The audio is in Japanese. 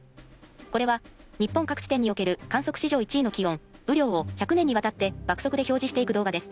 これは日本各地点における観測史上１位の気温・雨量を１００年にわたって爆速で表示していく動画です。